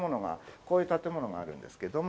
こういう建物があるんですけれども。